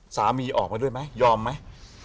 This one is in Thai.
สามีออกมาด้วยไหมยอมไหม